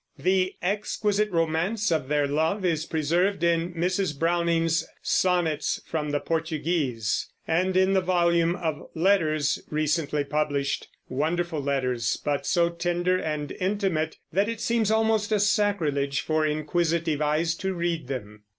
The exquisite romance of their love is preserved in Mrs. Browning's Sonnets from the Portuguese, and in the volume of Letters recently published, wonderful letters, but so tender and intimate that it seems almost a sacrilege for inquisitive eyes to read them.